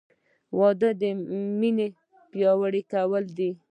• واده د مینې پیاوړی کول دي.